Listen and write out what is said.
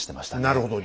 なるほど。